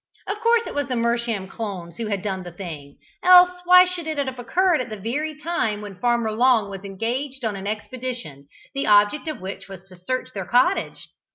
Of course it was the Mersham crones who had done the thing, else why should it have occurred at the very time when Farmer Long was engaged on an expedition, the object of which was to search their cottage?